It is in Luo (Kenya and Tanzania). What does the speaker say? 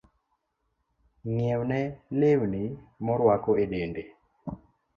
Ng'iewne lewni moruako e dende.